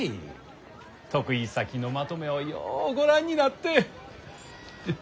得意先のまとめをようご覧になって。